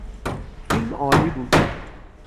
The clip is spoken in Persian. فیلم عالی بود.